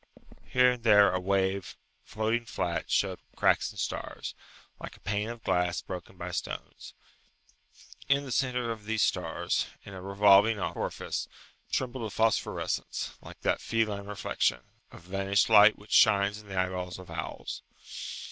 Here and there a wave floating flat showed cracks and stars, like a pane of glass broken by stones; in the centre of these stars, in a revolving orifice, trembled a phosphorescence, like that feline reflection, of vanished light which shines in the eyeballs of owls.